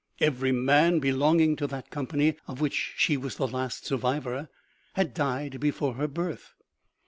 Every man be longing to that company of which she was the last survivor had died before her birth.